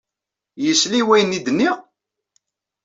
Yesla i wayen ay d-nniɣ?